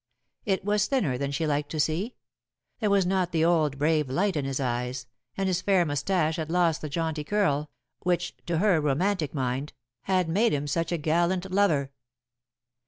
It was thinner than she liked to see; there was not the old brave light in his eyes, and his fair moustache had lost the jaunty curl, which, to her romantic mind, had made him such a gallant lover.